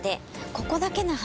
ここだけの話。